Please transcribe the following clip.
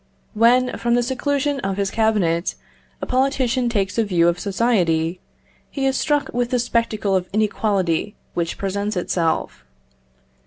When, from the seclusion of his cabinet, a politician takes a view of society, he is struck with the spectacle of inequality which presents itself.